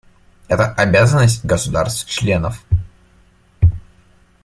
Это обязанность государств-членов.